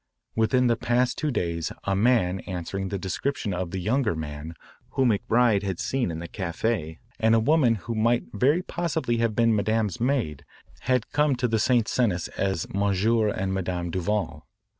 Within the past two days a man answering the description of the younger man whom McBride had seen in the caf=82 and a woman who might very possibly have been Madame's maid had come to the St. Cenis as M. and Mme. Duval.